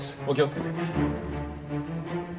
お気をつけて。